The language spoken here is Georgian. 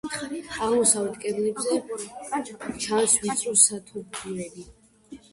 აღმოსავლეთ კედელზე ჩანს ვიწრო სათოფურები.